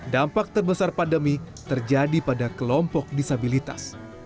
dampak terbesar pandemi terjadi pada kelompok disabilitas